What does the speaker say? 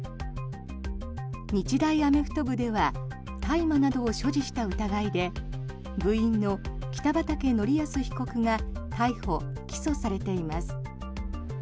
日大アメフト部では大麻などを所持した疑いで部員の北畠成文被告が逮捕・起訴されています。